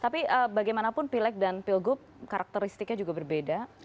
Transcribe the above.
tapi bagaimanapun pileg dan pilgub karakteristiknya juga berbeda